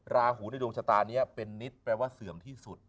ราหูในดวงชะตานี้เป็นนิตแปลว่าเสื่อมที่สุด